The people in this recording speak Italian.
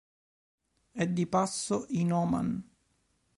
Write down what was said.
È di passo in Oman.